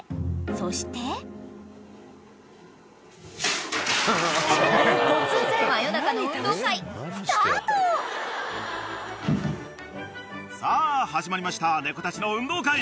［そして］さあ始まりました猫たちの運動会。